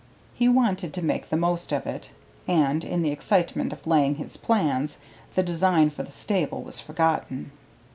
He wanted to make the most of it, and, in the excitement of laying his plans, the design for the stable was forgotten.